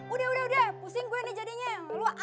udah udah pusing gue nih jadinya